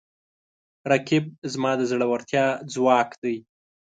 رقیب زما د زړورتیا ځواک دی